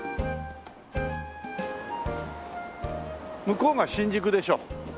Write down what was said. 向こうが新宿でしょ。